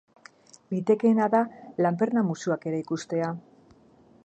Litekeena da lanperna-musuak ere ikustea.